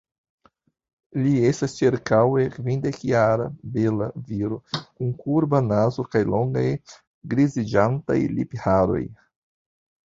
Li estas ĉirkaŭe kvindekjara, bela viro kun kurba nazo kaj longaj griziĝantaj lipharoj.